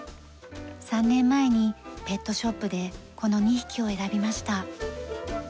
３年前にペットショップでこの２匹を選びました。